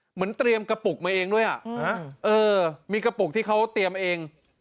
เหมือนเตรียมกระปุกมาเองด้วยอ่ะเออมีกระปุกที่เขาเตรียมเอง